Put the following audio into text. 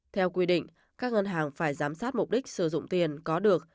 theo quy định các ngân hàng phải giám sát mục đích sử dụng tiền có được